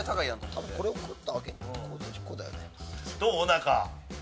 中。